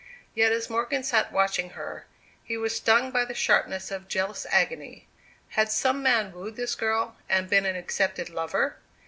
Yet as Morgan sat watching her, he was stung by the sharpness of jealous agony. Had some man wooed this girl, and been an accepted lover?